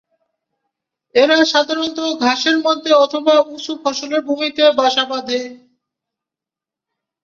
এরা সাধারণত ঘাসের মধ্যে অথবা উচু ফসলের ভূমিতে বাসা বাঁধে।